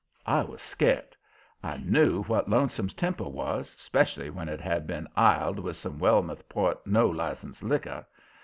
I was scart. I knew what Lonesome's temper was, 'specially when it had been iled with some Wellmouth Port no license liquor.